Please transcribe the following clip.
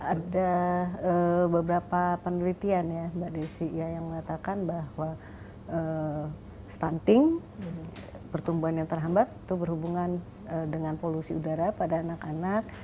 ada beberapa penelitian ya mbak desi yang mengatakan bahwa stunting pertumbuhan yang terhambat itu berhubungan dengan polusi udara pada anak anak